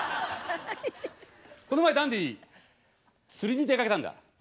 この前ダンディ釣りに出かけたんだ。